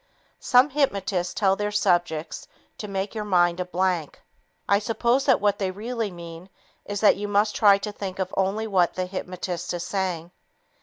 Some hypnotists tell their subjects to "make your mind a blank." I suppose what they really mean is that you must try to think of only what the hypnotist is saying.